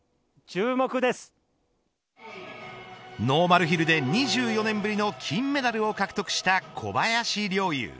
ノーマルヒルで２４年ぶりの金メダルを獲得した小林陵侑。